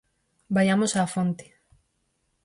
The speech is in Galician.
Vaiamos á fonte.